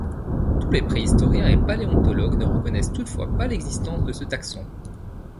Tous les préhistoriens et paléontologues ne reconnaissent toutefois pas l'existence de ce taxon.